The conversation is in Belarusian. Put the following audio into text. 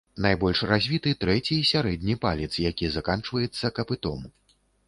Найбольш развіты трэці, сярэдні, палец, які заканчваецца капытом.